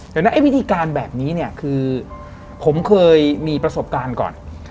แต่วิธีการแบบนี้เนี่ยคือผมเคยมีประสบการณ์ก่อน